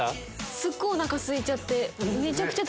すっごいお腹すいちゃって。